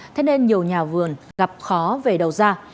thế nên nhiều nhà vườn gặp khó về đầu ra